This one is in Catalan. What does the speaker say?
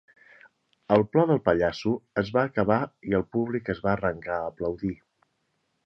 El plor del pallasso es va acabar i el públic es va arrencar a aplaudir.